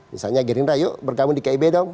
misalnya gerindra yuk bergabung di kib dong